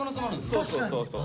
そうそうそうそう。